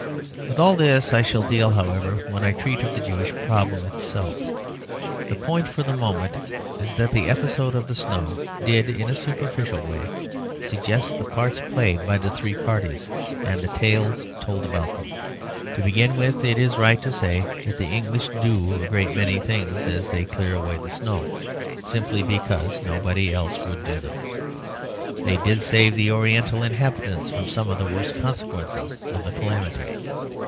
With all this I shall deal, however, when I treat of the Jewish problem itself. The point for the moment is that the episode of the snow did in a superficial way suggest the parts played by the three parties and the tales told about them. To begin with, it is right to say that the English do a great many things, as they clear away the snow, simply because nobody else would do them. They did save the oriental inhabitants from some of the worst consequences of the calamity.